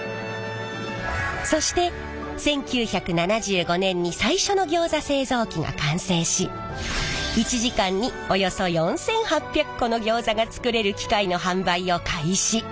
そして１９７５年に最初のギョーザ製造機が完成し１時間におよそ４，８００個のギョーザが作れる機械の販売を開始。